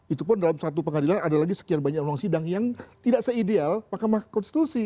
itu pun dalam satu pengadilan ada lagi sekian banyak ruang sidang yang tidak se ideal mahkamah konstitusi